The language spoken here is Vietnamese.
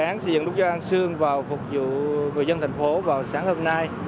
dự án xây dựng nút giao an sơn vào phục vụ người dân thành phố vào sáng hôm nay